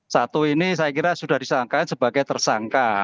satu ini saya kira sudah disangkakan sebagai tersangka